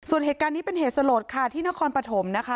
ส่วนเหตุการณ์นี้เป็นเหตุสลดค่ะที่นครปฐมนะคะ